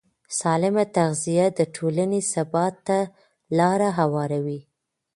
سالمه تغذیه د ټولنې ثبات ته لاره هواروي.